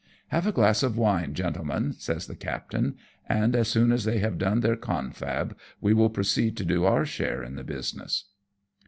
" Have a glass of wine, gentlemen," says the captain, " and as soon as they have done their confab we will proceed to do our share in the business."